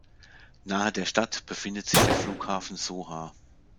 Nahe der Stadt befindet sich der Flughafen Sohar.